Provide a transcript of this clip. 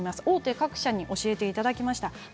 大手各社に教えていただきました。